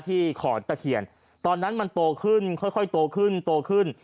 ขอนตะเคียนตอนนั้นมันโตขึ้นค่อยโตขึ้นโตขึ้น